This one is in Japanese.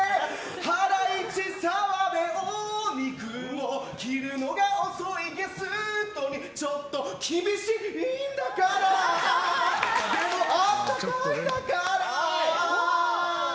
ハライチ澤部お肉を切るのが遅いゲストにちょっと厳しいんだからでもあったかいんだからぁ。